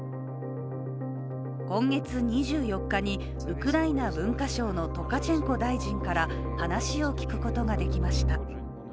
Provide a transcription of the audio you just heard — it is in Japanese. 今月２４日にウクライナ文化省のトカチェンコ大臣から話を聞くことができました。